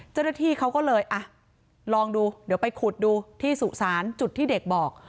เจ้าหน้าที่เขาก็เลยอ่ะลองดูเดี๋ยวไปขุดดูที่สุสานจุดที่เด็กบอก